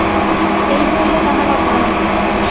এই হইল তাহার অপরাধ।